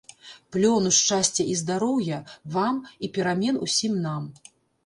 Плёну, шчасця і здароўя, вам і перамен усім нам!